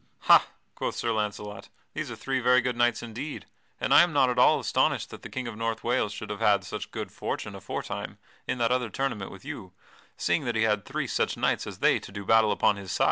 "Ha," quoth Sir Launcelot, "these are three very good knights indeed, and I am not at all astonished that the King of North Wales should have had such good fortune aforetime in that other tournament with you, seeing that he had three such knights as they to do battle upon his side."